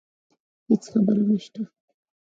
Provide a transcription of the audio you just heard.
هیڅ خبره نشته